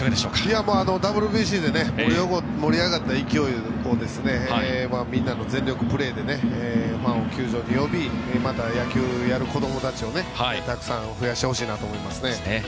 ＷＢＣで盛り上がった勢いをみんなの全力プレーでファンを球場に呼びまた、野球やる子どもたちをたくさん増やしてほしいなと思います。